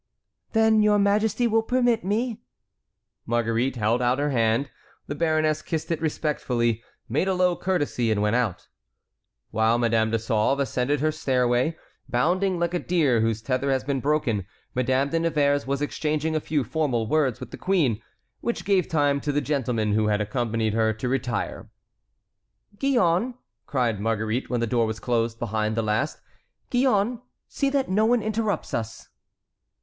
"Then your majesty will permit me"— Marguerite held out her hand, the baroness kissed it respectfully, made a low courtesy and went out. While Madame de Sauve ascended her stairway, bounding like a deer whose tether has been broken, Madame de Nevers was exchanging a few formal words with the queen, which gave time to the gentlemen who had accompanied her to retire. "Gillonne," cried Marguerite when the door was closed behind the last, "Gillonne, see that no one interrupts us."